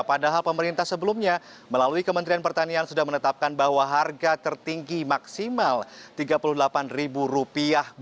padahal pemerintah sebelumnya melalui kementerian pertanian sudah menetapkan bahwa harga tertinggi maksimal rp tiga puluh delapan